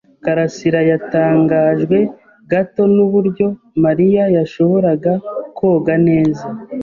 Karasirayatangajwe gato nuburyo Mariya yashoboraga koga neza.